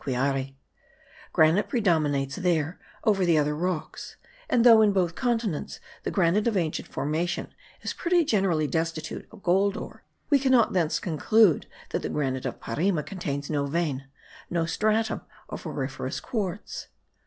Granite predominates there over the other rocks; and though, in both continents, the granite of ancient formation is pretty generally destitute of gold ore, we cannot thence conclude that the granite of Parima contains no vein, no stratum of auriferous quartz.